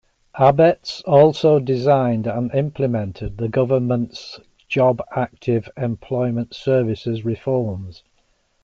Abetz also designed and implemented the Government's Jobactive Employment Services Reforms.